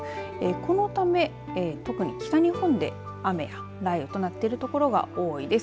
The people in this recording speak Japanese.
このため特に北日本で雨や雷雨となっているところが多いです。